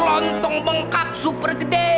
lontong bengkap super gede